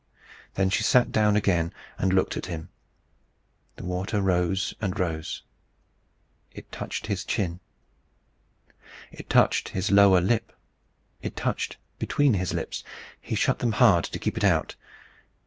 Then she sat down again, and looked at him. The water rose and rose. It touched his chin. It touched his lower lip. It touched between his lips. He shut them hard to keep it out.